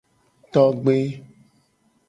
Togbe.